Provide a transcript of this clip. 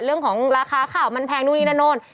เรื่องของราคาข้าวมันแพงนู่นนี่นั่นนู่น